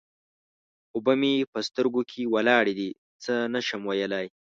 اوبه مې په سترګو کې ولاړې دې؛ څه نه شم ويلای.